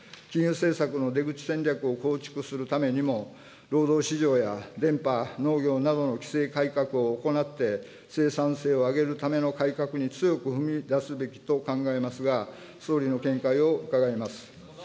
金融政策の出口戦略を構築するためにも、労働市場や電波・農業などの規制改革を行って、生産性を上げるための改革に強く踏み出すべきと考えますが、総理の見解を伺います。